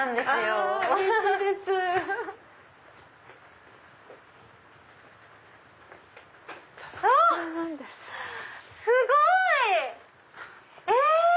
すごい！え